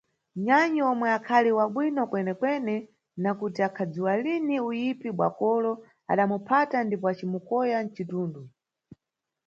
Nyanyi omwe akhali wa bwino kwene-kwene, nakuti akhadziwa lini uyipi bwa kolo, adamuphata ndipo acimukoya mcitundu.